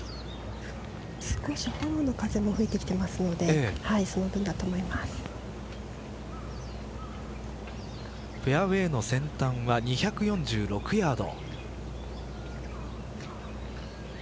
少しフォローの風も吹いてきていますのでフェアウエーの先端は２４６ヤード。